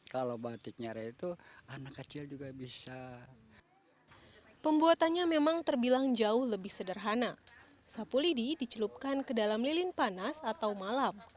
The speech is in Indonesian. kalau batik nyere itu kalau batik nyere itu harus memerlukan orang yang ahli